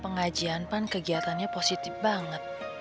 pengajian pan kegiatannya positif banget